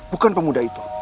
bukan pemuda itu